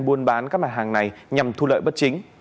buôn bán các mặt hàng này nhằm thu lợi bất chính